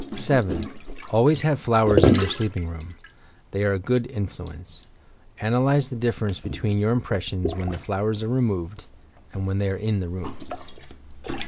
7. Always have flowers in your sleeping room. They are a good influence. Analyse the difference between your impressions when the flowers are removed; and when they are in the room.